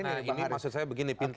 nah ini maksud saya begini